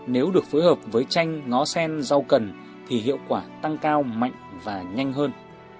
nếu được phối hợp với chanh ngó sen rau cần thì hiệu quả tăng cao mạnh và nhanh hơn